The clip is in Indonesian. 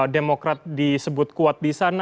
demokrat disebut kuat di sana